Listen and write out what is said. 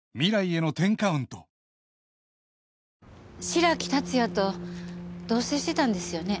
白木竜也と同棲してたんですよね？